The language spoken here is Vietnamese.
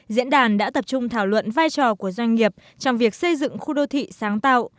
diễn đàn đã tập trung thảo luận vai trò của doanh nghiệp trong việc xây dựng khu đô thị sáng tạo